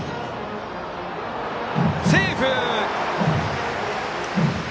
セーフ！